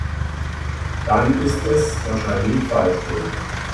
Dann ist es wahrscheinlich Falschgeld.